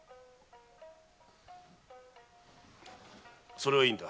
それはいいんだ。